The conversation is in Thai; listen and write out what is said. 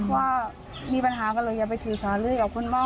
ว่ามีปัญหากันเลยอย่าไปถือสารเลื่อยกับคนเมา